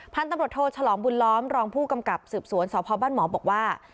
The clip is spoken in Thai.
พันธุ์ตำรวจโทฉลองบุญล้อมรองผู้กำกับสืบสวนสพบ้านหมอบอกว่า